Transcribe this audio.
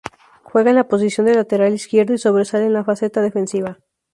Juega en la posición de lateral izquierdo y sobresale en la faceta defensiva.